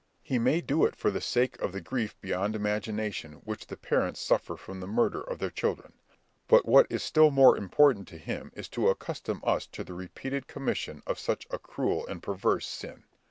He may do it for sake of the grief beyond imagination which the parents suffer from the murder of their children; but what is still more important to him is to accustom us to the repeated commission of such a cruel and perverse sin.